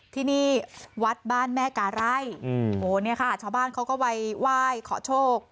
ที่นี่วัดบ้านแม่กาไร่เนี่ยค่ะชาวบ้านเขาก็ไปไหว้ขอโชค